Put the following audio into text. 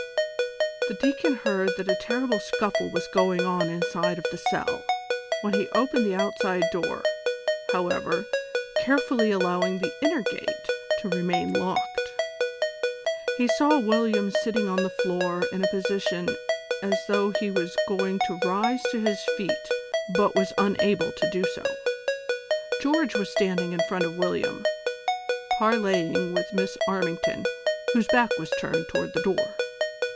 The deacon heard that a terrible scuffle was going on in side of tlie cell, wlien he opened the outside door, however, carefully allowing the inner gate to remain locked ; he saw William silting on the floor in a position as though be was THE COXSPIEATOES AInD LOVERS. 221 going to rise to his feet, but was unable to do so ; George was standing in front of William, parleying with Miss Armington, whose back was turned toward the door.